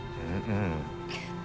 うん。